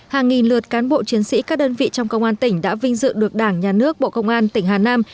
hàng nghìn lượt cán bộ chiến sĩ các đơn vị trong công an tỉnh đã vinh dự được đảng nhà nước bộ công an tỉnh hà nam